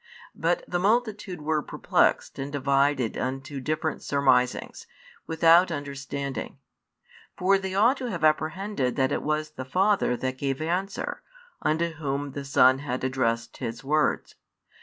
But the multitude were perplexed and divided unto different surmisings, without understanding. For they ought to have apprehended that it was the Father that gave answer, unto Whom the Son had addressed His words.